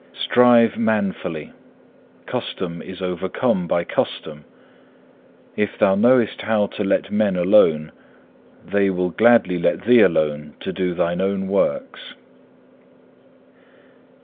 Strive manfully; custom is overcome by custom. If thou knowest how to let men alone, they will gladly let thee alone to do thine own works.